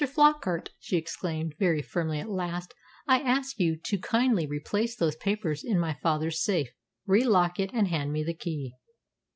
Flockart," she exclaimed very firmly at last, "I ask you to kindly replace those papers in my father's safe, relock it, and hand me the key."